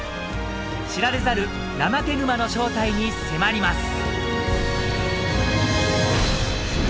知られざるナマケグマの正体に迫ります。